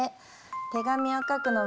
手紙を書くのは